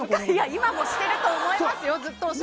今もしてると思いますよ。